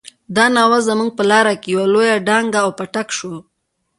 دا ناوه زموږ په لاره کې يوه لويه ډانګه او پټک شو.